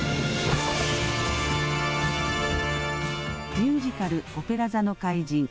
ミュージカル、オペラ座の怪人。